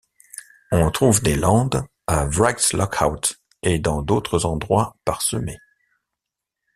On trouve des landes à Wrights Lookout et dans d'autres endroits parsemés.